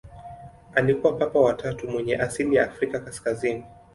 Alikuwa Papa wa tatu mwenye asili ya Afrika kaskazini.